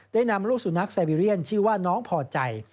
ได้นำลูกสุนัขไซเบเรียนชื่อว่าน้องพอใจ